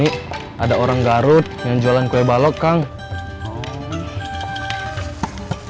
di antapani ada orang garut yang jualan kue baloknya di antapani